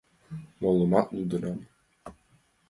Молымат лудынам...